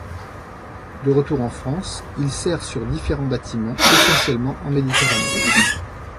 De retour en France, il sert sur différents bâtiments essentiellement en Méditerranée.